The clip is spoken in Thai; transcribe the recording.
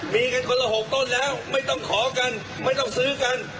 มีกันคนละ๖ต้นแล้วไม่ต้องขอกันไม่ต้องซื้อกัน